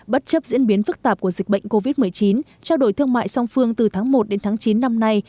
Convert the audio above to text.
bất chấp diễn biến phức tạp của dịch bệnh covid một mươi chín trao đổi thương mại song phương từ tháng một đến tháng chín năm nay